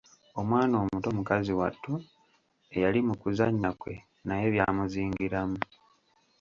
Omwana omuto mukazi wattu eyali mu kuzannya kwe naye byamuzingiramu.